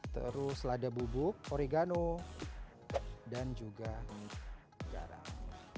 terus lada bubuk oregano dan juga garam